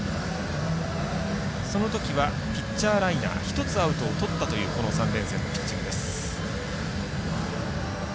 そのときは、ピッチャーライナー１つアウトをとったというこの３連戦のピッチングです。